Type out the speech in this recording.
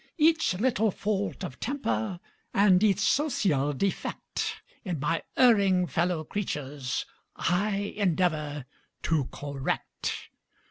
Each little fault of temper and each social defect In my erring fellow creatures, I endeavor to correct.